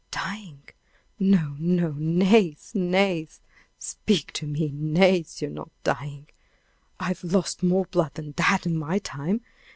"Dying! No, no, Nace! Nace! speak to me! Nace! you're not dying! I've lost more blood than that in my time!